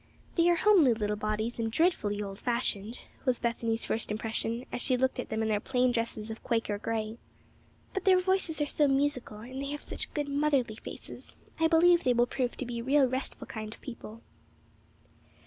"They are homely little bodies, and dreadfully old fashioned," was Bethany's first impression, as she looked at them in their plain dresses of Quaker gray. "But their voices are so musical, and they have such good, motherly faces, I believe they will prove to be real restful kind of people."